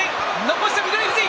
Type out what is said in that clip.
残した翠富士。